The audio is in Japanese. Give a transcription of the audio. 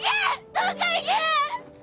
どっか行け！